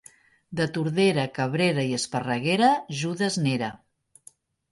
De Tordera, Cabrera i Esparreguera, Judes n'era.